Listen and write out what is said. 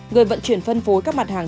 người vận chuyển phân phối các mặt hàng